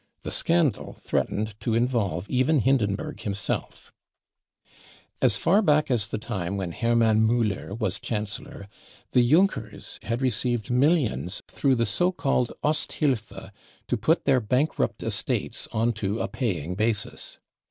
The scandal threatened to involve even Hindenburg^himself. f j As far back as the time when Hermann Muller was Chancellor the Junkers had received millions through the so called Osthilfe to put their bankrupt estates on to a paying basis.